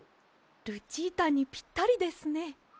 ルチータにぴったりですね。